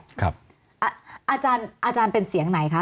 อเรนนี่ปลอบว่าอาจารย์เป็นเสียงอะไรคะ